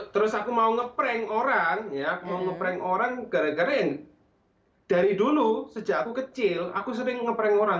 terus aku mau nge prank orang ya mau nge prank orang gara gara yang dari dulu sejak aku kecil aku sering nge prank orang